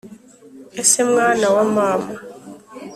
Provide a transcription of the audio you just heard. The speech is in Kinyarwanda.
ese mwana wa mama